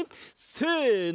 せの。